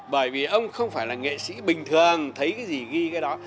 bởi vì ông không phải là nghệ sĩ bình thường thấy cái gì ghi cái đó